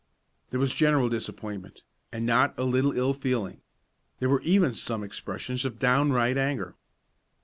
There was general disappointment, and not a little ill feeling; there were even some expressions of downright anger.